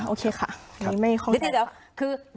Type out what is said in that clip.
โอเคค่ะ